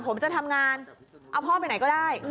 ผมจะทำงานเอาพ่อไปไหนก็ได้